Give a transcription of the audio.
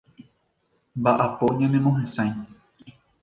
Mba'apo ñanemohesãi.